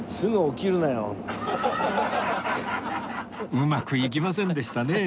うまくいきませんでしたねえ